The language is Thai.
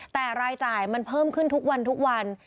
แต่รายจ่ายมันเพิ่มขึ้นทุกวันทุกวัน